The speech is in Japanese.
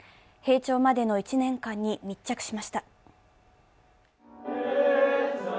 閉庁までの１年間に密着しました。